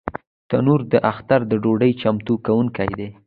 تنور د اختر د ډوډۍ چمتو کوونکی دی